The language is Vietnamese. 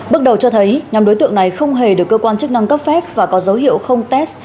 bước đầu cho thấy nhóm đối tượng này không hề được cơ quan chức năng cấp phép và có dấu hiệu không test